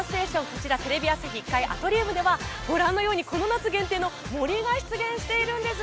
こちらテレビ朝日１階アトリウムではご覧のように、この夏限定の森が出現しているんです。